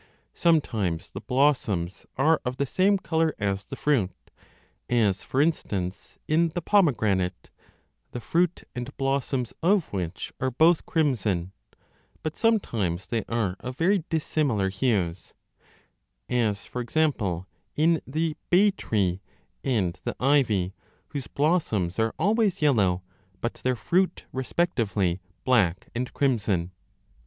Sometimes the blossoms are of the same colour as the fruit as, for instance, in the pomegranate, the fruit and blossoms of which are both crimson ; but sometimes they are of very dissimilar hues as, for example, in the bay tree and the ivy, whose blossoms 10 are always yellow, but their fruit respectively black and crimson.